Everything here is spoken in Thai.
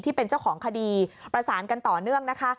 ที่เป็นเจ้าของคดีประสานกันต่อเนื่องนะคะ